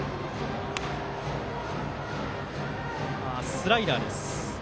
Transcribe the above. スライダーです。